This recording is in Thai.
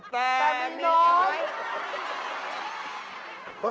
แต่มีน้อง